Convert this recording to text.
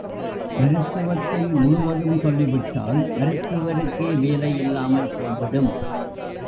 மருத்துவத்தை முழுவதும் சொல்லிவிட்டால் மருத்துவருக்கே வேலை இல்லாமல் போய்விடும்.